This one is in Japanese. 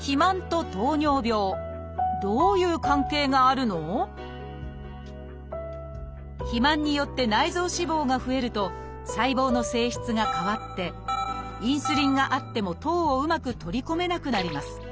でも肥満によって内臓脂肪が増えると細胞の性質が変わってインスリンがあっても糖をうまく取り込めなくなります。